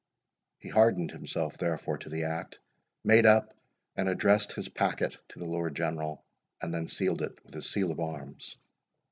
He hardened himself, therefore, to the act, made up and addressed his packet to the Lord General, and then sealed it with his seal of arms.